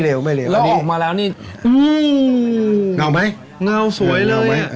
แล้วออกมาแล้วมันใกล้ไหมเงาสวยเลย